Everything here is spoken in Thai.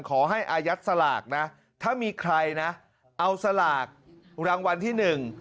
อายัดสลากนะถ้ามีใครนะเอาสลากรางวัลที่หนึ่ง